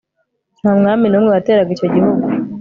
nta mwami n'umwe wateraga icyo gihugu